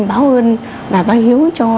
báo ơn và báo hiếu cho